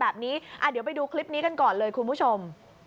แบบนี้เดี๋ยวไปดูคลิปนี้กันก่อนเลยคุณผู้ชม